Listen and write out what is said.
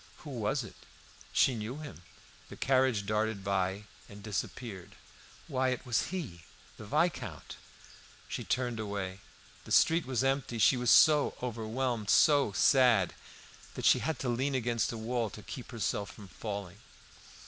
Who was it? She knew him. The carriage darted by and disappeared. Why, it was he the Viscount. She turned away; the street was empty. She was so overwhelmed, so sad, that she had to lean against a wall to keep herself from falling.